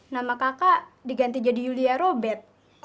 nama kakak diganti jadi yulia robert